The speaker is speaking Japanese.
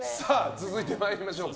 続いて参りましょうか。